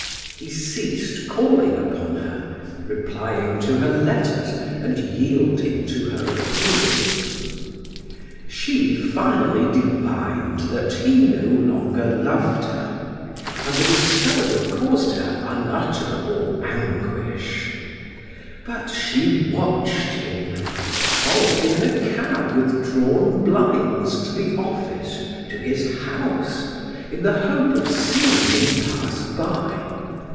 He ceased calling upon her, replying to her letters, and yielding to her appeals. She finally divined that he no longer loved her, and the discovery caused her unutterable anguish; but she watched him, followed him in a cab with drawn blinds to the office, to his house, in the hope of seeing him pass by.